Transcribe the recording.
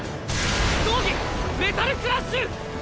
合技「メタル・クラッシュ」！